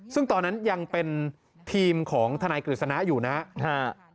ซึ่งตอนนั้นยังเป็นทีมของทนายกฤษณะอยู่นะครับ